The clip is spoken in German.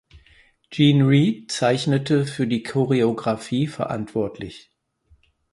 Gene Reed zeichnete für die Choreographie verantwortlich.